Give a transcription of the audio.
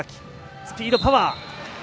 スピード、パワー。